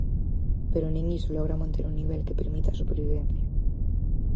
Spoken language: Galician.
Pero nin iso logra manter un nivel que permita a supervivencia.